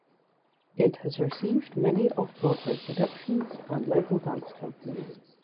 It has received many off broadway productions and local dance companies.